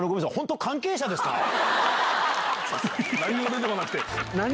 何も出てこなくて。